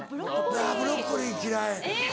あぁブロッコリー嫌い。